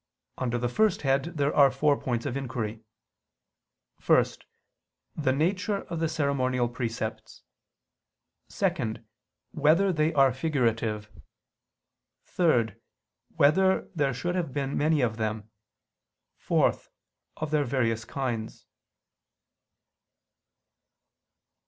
Under the first head there are four points of inquiry: (1) The nature of the ceremonial precepts; (2) Whether they are figurative? (3) Whether there should have been many of them? (4) Of their various kinds.